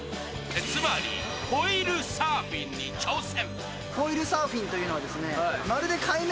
つまり、フォイルサーフィンに挑戦。